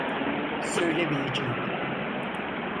Söylemeyeceğim.